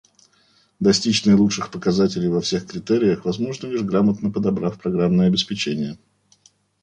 Достичь наилучших показателей во всех критериях возможно лишь грамотно подобрав программное обеспечение